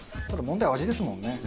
ただ問題は味ですもんね。